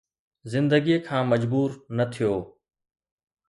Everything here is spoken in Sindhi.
زندگيءَ کان مجبور نه ٿيو.